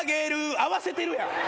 合わせてるやん。